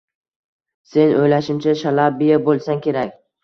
Sen, o`ylashimcha, Shalabiya bo`lsang kerak